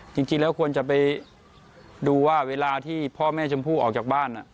จริงแล้วควรจะไปดูว่าเวลาที่พ่อแม่ชมพู่ออกจากบ้าน